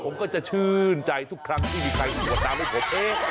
ผมก็จะชื่นใจทุกครั้งที่มีใครอวดตามให้ผมเอ๊ะ